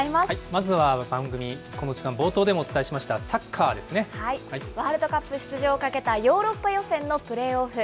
まずは番組、この時間冒頭でワールドカップ出場をかけたヨーロッパ予選のプレーオフ。